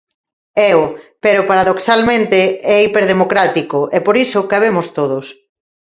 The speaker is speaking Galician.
Éo pero paradoxalmente é hiperdemocrático e por iso cabemos todos.